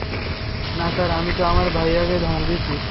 না স্যার, আমি তো আমার ভাইয়াকে ধমক দিছি।